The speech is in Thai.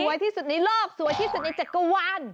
ที่สุดในโลกสวยที่สุดในจักรวาล